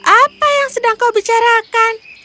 apa yang sedang kau bicarakan